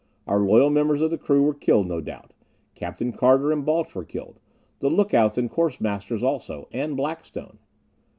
Our loyal members of the crew were killed, no doubt. Captain Carter and Balch were killed. The lookouts and Course masters also. And Blackstone.